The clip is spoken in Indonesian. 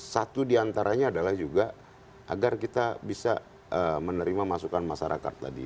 satu diantaranya adalah juga agar kita bisa menerima masukan masyarakat tadi